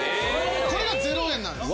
これが０円なんです。